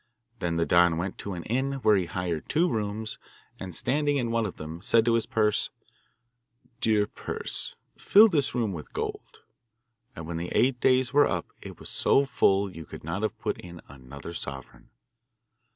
Then the Don went to an inn, where he hired two rooms, and, standing in one of them, said to his purse, ' Dear purse, fill this room with gold;' and when the eight days were up it was so full you could not have put in another sovereign.